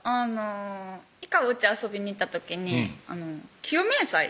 １回おうち遊びに行った時に給与明細